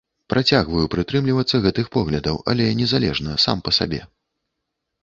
Працягваю прытрымлівацца гэтых поглядаў, але незалежна, сам па сабе.